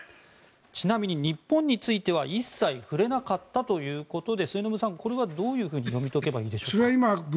ちなみに日本については一切触れなかったということで末延さんこれはどういうふうに読み解けばいいでしょうか。